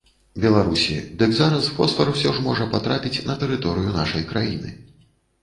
Беларусі, дык зараз фосфар усё ж можа патрапіць на тэрыторыю нашай краіны.